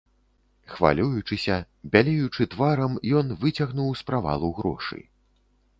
Хвалюючыся, бялеючы тварам, ён выцягнуў з правалу грошы.